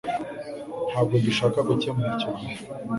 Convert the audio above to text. Ntabwo dushaka gukemura icyo gihe.